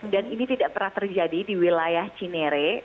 dan ini tidak pernah terjadi di wilayah cineres